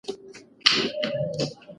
ایا ته د اورښت او باران غږ خوښوې؟